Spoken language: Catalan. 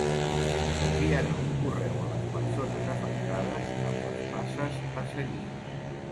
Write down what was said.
S'enviarà un correu a les persones afectades amb les passes a seguir.